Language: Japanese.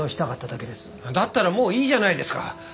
だったらもういいじゃないですか。